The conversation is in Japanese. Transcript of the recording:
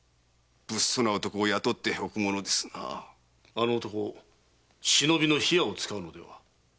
あの男忍びの火矢を使うのでは？